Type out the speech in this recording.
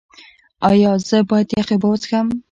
ایا زه باید یخې اوبه وڅښم؟